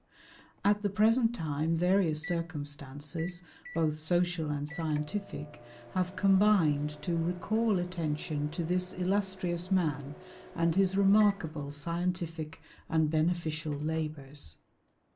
At the present time various circumstances, both social and scientific, have combined to recall attention to this illustrious man and his remarkable scientific and beneficial labours.